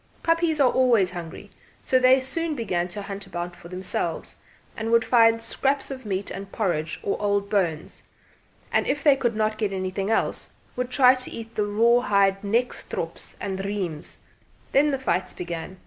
Puppies are always hungry, so they soon began to hunt about for themselves, and would find scraps of meat and porridge or old bones; and if they could not get anything else, would try to eat the raw hide nekstrops and reims. Then the fights began.